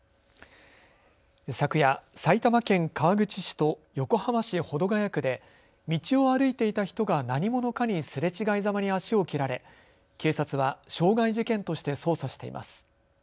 昨夜、埼玉県川口市と横浜市保土ケ谷区で道を歩いていた人が何者かにすれ違いざまに足を切られ警察は傷害事件として捜査しています。